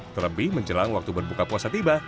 terlebih menjelang waktu berbuka puasa tiba